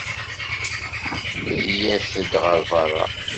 Iyyat-d ɣer beṛṛa.